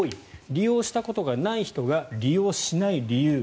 利用したことがない人が利用しない理由。